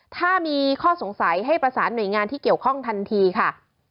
ถ้ามีข้อสงสัยให้ประสานหน่วยงานที่เกี่ยวข้องทันทีค่ะ